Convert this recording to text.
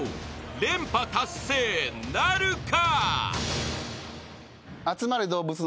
［連覇達成なるか？］